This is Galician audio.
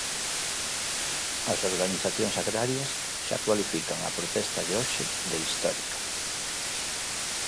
As organizacións agrarias xa cualifican a protesta de hoxe de histórica.